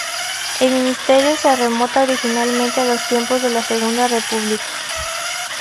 El ministerio se remonta originalmente a los tiempos de la Segunda República.